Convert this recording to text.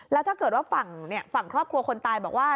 แล้วถ้าเกิดว่าฝั่งครอบครัวคนตายบอกว่า